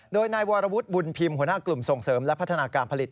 โดยนายวรวุฒิบุญพิมพ์หัวหน้ากลุ่มส่งเสริมและพัฒนาการผลิต